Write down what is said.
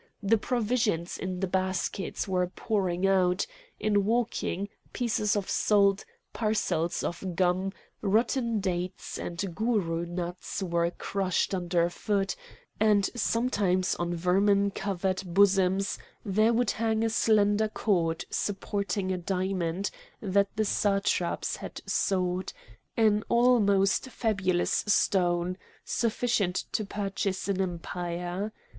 The provisions in the baskets were pouring out; in walking, pieces of salt, parcels of gum, rotten dates, and gourou nuts were crushed underfoot; and sometimes on vermin covered bosoms there would hang a slender cord supporting a diamond that the Satraps had sought, an almost fabulous stone, sufficient to purchase an empire.